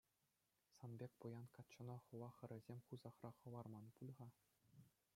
Сан пек пуян каччӑна хула хӗрӗсем хусахра хӑварман пуль-ха?